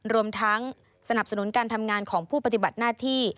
รวมทั้งสนับสนุนการทำงานของผู้ปฏิบัติหน้าที่